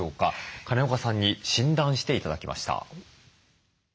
金岡さんに診断して頂きました。